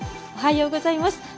おはようございます。